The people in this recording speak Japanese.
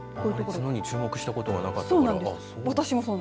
角に注目したことがなかったから。